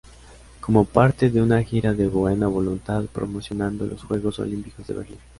Como parte de una gira de buena voluntad promocionando los Juegos Olímpicos de Berlín.